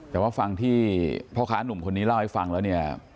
แต่ว่าฟังที่พ่อค้านุ่มคนนี้เล่าให้ฟังแล้วเนี่ย